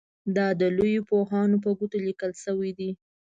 دا د لویو پوهانو په ګوتو لیکل شوي دي.